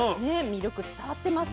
魅力伝わってます。